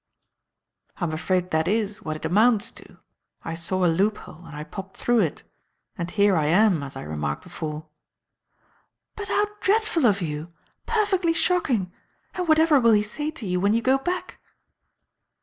"I'm afraid that is what it amounts to. I saw a loop hole and I popped through it; and here I am, as I remarked before." "But how dreadful of you! Perfectly shocking! And whatever will he say to you when you go back?"